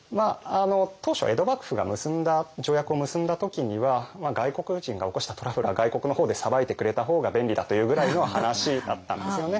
当初江戸幕府が条約を結んだ時には外国人が起こしたトラブルは外国の方で裁いてくれた方が便利だというぐらいの話だったんですよね。